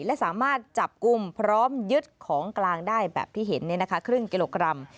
และสามารถจับกลุ่มพร้อมยึดของกลางได้แบบที่เห็นครึ่งกิโลกรัม